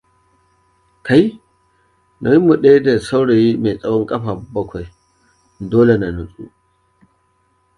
Kai! Nauyinmu daya da saurayi mai tsawon kafa bakwai. Dole in nutsu!